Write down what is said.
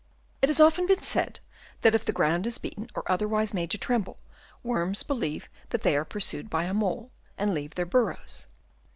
It has often been said that if the ground is beaten or otherwise made to tremble, worms believe that they are pursued by a mole and leave their burrows.